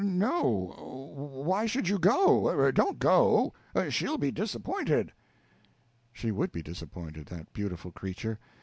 No why should you go? Don't go. She'll be disappointed." She would be disappointed that beautiful creature!